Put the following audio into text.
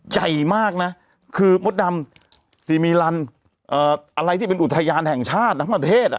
ใหญ่มากนะคือมดดำซีมิลันอะไรที่เป็นอุทยานแห่งชาติทั้งประเทศ